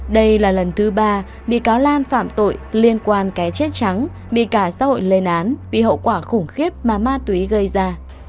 đây là lần thứ ba bị cáo lan phạm tội liên quan cái chết trắng bị cả xã hội lên án bị hậu quả khủng khiếp mà ma túy gây ra